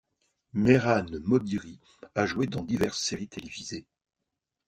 Mehran Modiri a joué dans diverses séries télévisées.